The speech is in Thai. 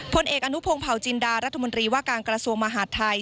ผลเอกอนุพงศ์เผาจินดารัฐมนตรีว่าการกระทรวงมหาดไทย